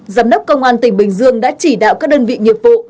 giám đốc công an tỉnh bình dương đã chỉ đạo các đơn vị nghiệp vụ